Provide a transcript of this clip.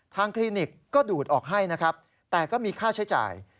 ทางคลินิกก็ดูดออกให้แต่ก็มีค่าใช้จ่าย